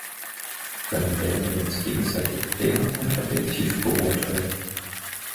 Dann werden wir uns gegenseitig fair und objektiv beurteilen.